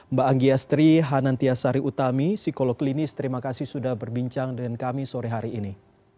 mbak anggi astri hanantia sari utami psikolog klinis terima kasih sudah berbincang dengan kami sore hari ini